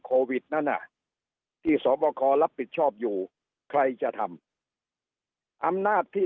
โควิดนั้นน่ะที่สอบคอรับผิดชอบอยู่ใครจะทำอำนาจที่